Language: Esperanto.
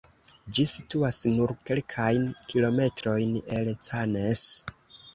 Ĝi situas nur kelkajn kilometrojn el Cannes.